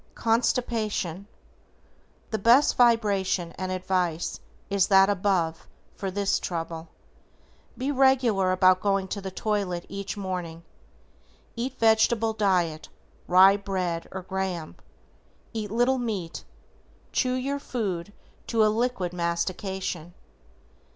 =CONSTIPATION:= The best vibration and advice is that above for this trouble. Be regular about going to the toilet each morning. Eat vegetable diet, rye bread, or graham. Eat little meat, chew your food to a liquid mastication.